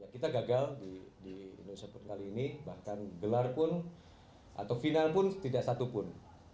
kita gagal di indonesia pun kali ini bahkan gelar pun atau final pun tidak satupun